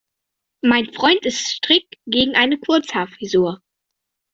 Mein Freund ist strikt gegen eine Kurzhaarfrisur.